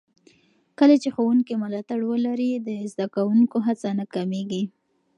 کله چې ښوونکي ملاتړ ولري، د زده کوونکو هڅه نه کمېږي.